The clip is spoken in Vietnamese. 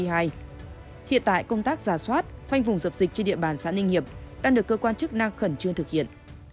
hiện tại công tác giả soát khoanh vùng dập dịch trên địa bàn xã ninh hiệp đang được cơ quan chức năng khẩn trương thực hiện